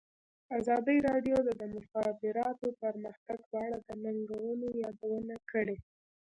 ازادي راډیو د د مخابراتو پرمختګ په اړه د ننګونو یادونه کړې.